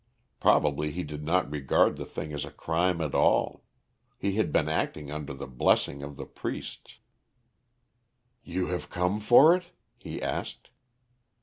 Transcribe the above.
Probably he did not regard the thing as a crime at all; he had been acting under the blessing of the priests. "'You have come for it?' he asked.